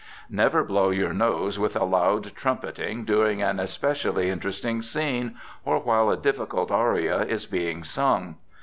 Never blow your nose with a loud trumpeting during an especially interesting scene, or while a difficult aria is being sung.